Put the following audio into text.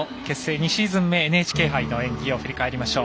２シーズン目ＮＨＫ杯の演技を振り返りましょう。